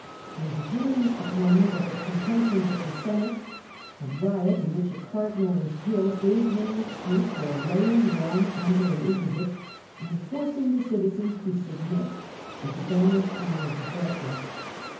A determined opponent of the pretensions of the Senate, a riot in which a cardinal was killed gave him an excuse for laying Rome under an interdict, and forcing the citizens to submit, and to banish Arnold of Brescia.